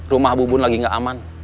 rumah bubun lagi nggak aman